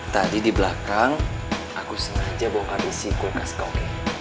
tadi di belakang aku sengaja bawa karisiku ke skauki